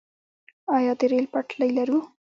آیا د ریل پټلۍ لرو؟